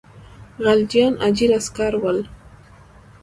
خلجیان اجیر عسکر ول.